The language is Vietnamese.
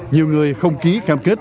nhiều người không ký cam kết